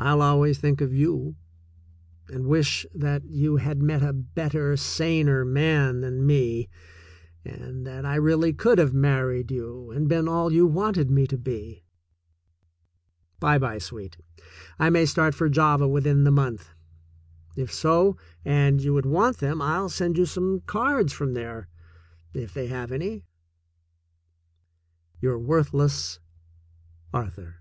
I'll always think of you, and wish that you had met a better, saner man than me, and that I really could have married you and been all you wanted me to be. By by, sweet. I may start for Java within the month. If so, and you would want them, I'll send you some cards from there — if they have any. Your worthless, Arthur.